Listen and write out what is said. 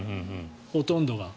ほとんどが。